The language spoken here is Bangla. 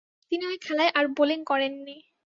তিনি ঐ খেলায় আর বোলিং করেননি।